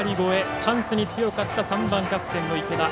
チャンスに強かった３番キャプテンの池田。